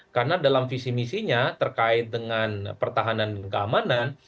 karena dalam visi misinya terkait dengan pertahanan dan keamanan